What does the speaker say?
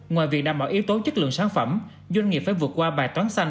ngoài việc đảm bảo yếu tố chất lượng sản phẩm doanh nghiệp phải vượt qua bài toán xanh